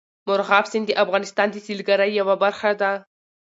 مورغاب سیند د افغانستان د سیلګرۍ یوه برخه ده.